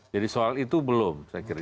jadi soal itu belum saya kira